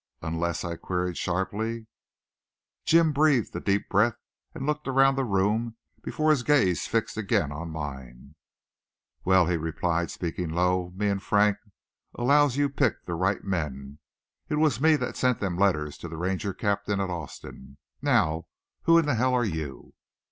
"Unless?" I queried sharply. Jim breathed a deep breath and looked around the room before his gaze fixed again on mine. "Wal," he replied, speaking low, "Me and Frank allows you've picked the right men. It was me that sent them letters to the Ranger captain at Austin. Now who in hell are you?"